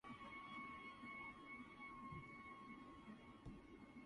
It probably meant "water" in the local Thracian dialect.